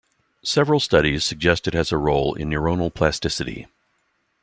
Several studies suggest it has a role in neuronal plasticity.